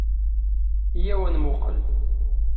Ayaw ad nmuqel.